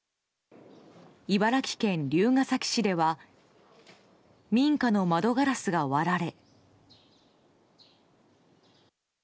茨城県龍ケ崎市では民家の窓ガラスが割られ。